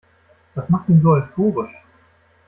Was macht ihn so euphorisch?